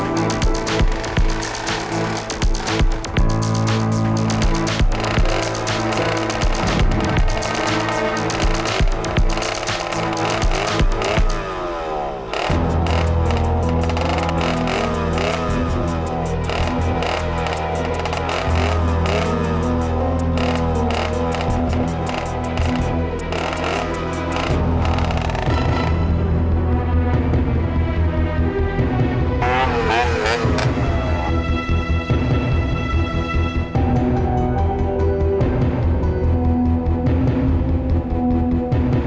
sampai ketemu lagi